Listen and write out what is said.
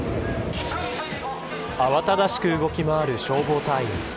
慌ただしく動きまわる消防隊員。